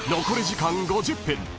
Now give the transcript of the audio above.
［残り時間５０分］